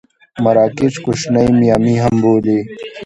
مراکش کوشنۍ میامي هم بولي.